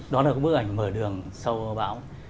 đó là bức ảnh mở đường sau báo